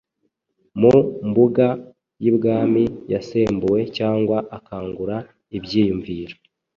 mu mbuga y’ibwami, yasembuwe cyangwa akangura ibyiyumviro